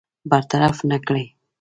برطرف نه کړي.